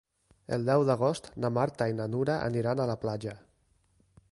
El deu d'agost na Marta i na Nura aniran a la platja.